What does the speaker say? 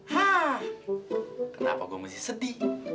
hah kenapa gue mesti sedih